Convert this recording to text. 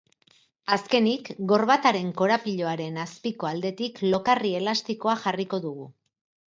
Azkenik, gorbataren korapiloaren azpiko aldetik lokarri elastikoa jarriko dugu.